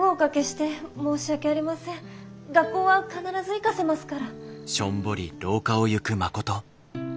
学校は必ず行かせますから。